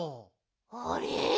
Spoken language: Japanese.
あれ？